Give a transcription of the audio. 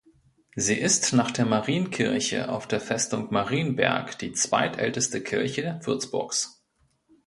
Sie ist nach der Marienkirche auf der Festung Marienberg die zweitälteste Kirche Würzburgs.